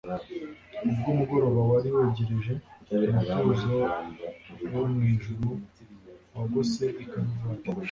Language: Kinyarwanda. Ubwo umugoroba wari wegereje, umutuzo wo mu ijuru wagose i Kaluvari.